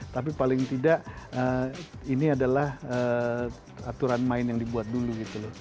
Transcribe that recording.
tapi paling tidak ini adalah aturan main yang dibuat dulu gitu loh